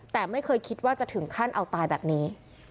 แต่ไม่เคยคิดว่าจะถึงขั้นเอาตายแบบนี้